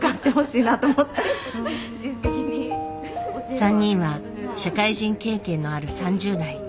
３人は社会人経験のある３０代。